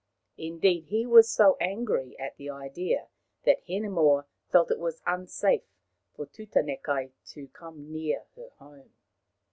Indeed, he was so angry at the idea that Hinemoa felt it was unsafe for Tutanekai to come near her home.